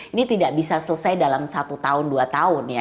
ini tidak bisa selesai dalam satu tahun dua tahun ya